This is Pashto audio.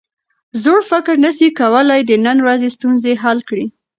زوړ فکر نسي کولای د نن ورځې ستونزې حل کړي.